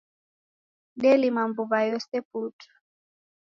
Delima mbuw'a yose putu.